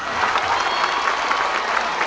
ซ่าซ่าซ่า